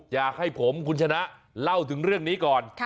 อยากให้ผมคุณชนะเล่าถึงเรื่องนี้ก่อน